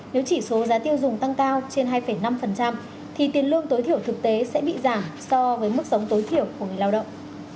nếu chỉ số giá tiêu dùng tăng cao trên hai năm thì tiền lương tối thiểu thực tế sẽ bị giảm so với mức sống tối thiểu của người lao động